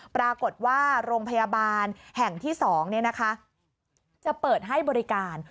ปรากฏว่าโรงพยาบาลแห่งที่๒จะเปิดให้บริการ